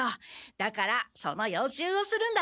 だからその予習をするんだ。